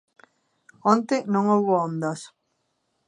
Onte non houbo ondas.